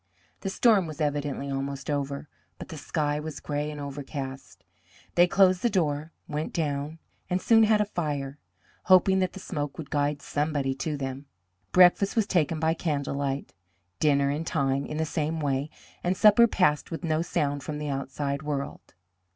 The storm was evidently almost over, but the sky was gray and overcast. They closed the door, went down, and soon had a fire, hoping that the smoke would guide somebody to them. Breakfast was taken by candle light, dinner in time in the same way, and supper passed with no sound from the outside world.